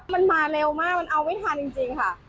มันมาเร็วมากมันเอาไม่ทันจริงค่ะ